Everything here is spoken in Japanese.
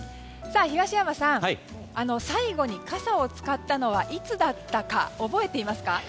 東山さん、最後に傘を使ったのはいつだったか覚えていますか？